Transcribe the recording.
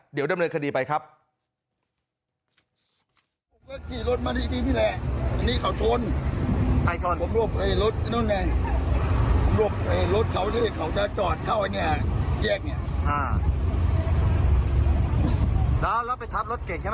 เดี๋ยวดำเนินคดีไปครับ